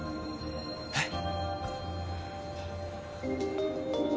えっ？